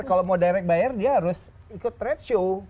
kalau mau direct bayar dia harus ikut trade show